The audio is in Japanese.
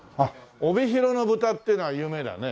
帯広の豚っていうのは有名だよね？